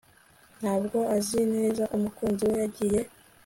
Ntabwo azi neza umukunzi we yagiye